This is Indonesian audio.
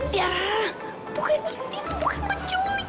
tiara bukan itu bukan penculik